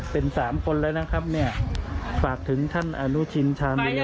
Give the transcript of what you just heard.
เป็นสามคนและนะครับฝากถึงท่านอนุชินชามวิวกุณฑ์